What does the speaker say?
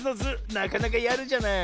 なかなかやるじゃない。